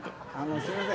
すみません。